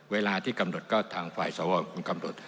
เวลาที่กำหนดก็ทางฝ่ายสวคงกำหนด